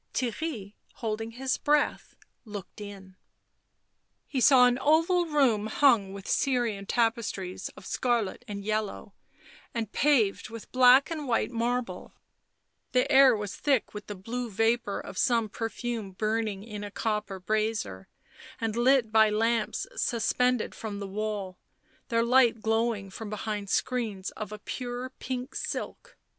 Theirry, holding his breath, looked in. He saw an oval room hung with Syrian tapestries of scarlet and yellow, and paved with black and white marble; the air was thick with the blue vapour of some perfume burning in a copper brazier, and lit by lamps suspended from the wall, their light glowing from behind screens of a pure pink silk.